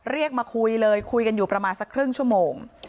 เรียกมาคุยเลยคุยกันอยู่ประมาณสักครึ่งชั่วโมง